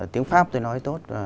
tiếng pháp tôi nói tốt